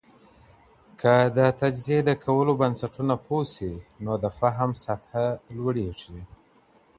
که د تجزیې د کولو بنسټونه پوه سي، نو د فهم سطحه لوړیږي.